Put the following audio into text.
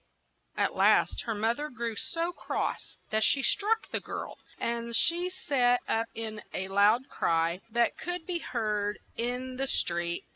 At last the moth er grew so cross that she struck the girl, and she set up in a loud cry that could be heard in the street.